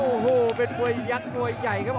โอ้เป็นบวยยัดบวยใหญ่ครับ